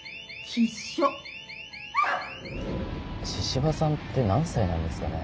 神々さんって何歳なんですかね？